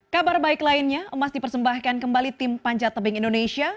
kabar baik lainnya emas dipersembahkan kembali tim panjatabing indonesia